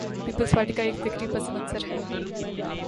Peoples Party کا ایک فکری پس منظر ہے۔